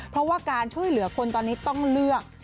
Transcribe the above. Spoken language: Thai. เพราะว่าการช่วยเหลือคนตอนนี้ต้องเลือก